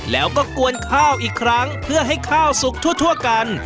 แล้วก็กวนข้าวอีกครั้งเพื่อให้ข้าวสุกทั่วกัน